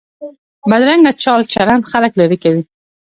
بدرنګه چال چلند خلک لرې کوي